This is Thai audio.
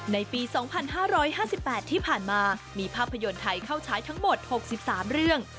ในปี๒๕๕๘ที่ผ่านมามีภาพยนตร์ไทยเข้าใช้ทั้งหมด๖๓เรื่อง